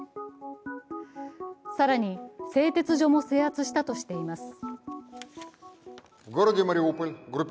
更に、製鉄所も制圧したとしています。